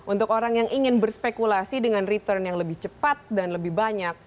untuk orang yang ingin berspekulasi dengan return yang lebih cepat dan lebih banyak